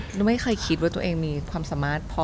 หนูไม่เคยคิดว่าตัวเองมีความสามารถพอ